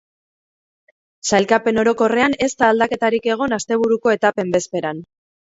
Sailkapen orokorrean ez da aldaketarik egon, asteburuko etapen bezperan.